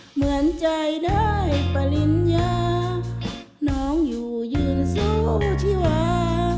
เหมือนใจได้ปริญญาน้องอยู่ยืนสู้ชีวา